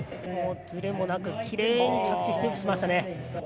ずれもなく、きれいに着地しましたね。